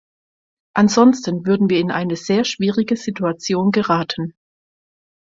Ansonsten würden wir in eine sehr schwierige Situation geraten.